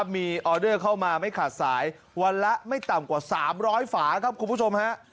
มีออเดอร์เข้ามาไม่ขาดสายวันละไม่ต่ำกว่า๓๐๐ฝาครับคุณผู้ชมฮะ